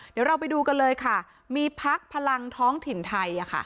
เดี๋ยวเราไปดูกันเลยค่ะมีพักพลังท้องถิ่นไทย